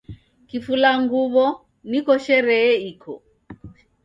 Kifula nguw'o niko sherehe iko